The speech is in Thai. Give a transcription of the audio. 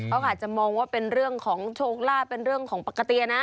เขาอาจจะมองว่าเป็นเรื่องของโชคลาภเป็นเรื่องของปกตินะ